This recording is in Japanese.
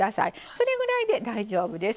それぐらいで大丈夫です。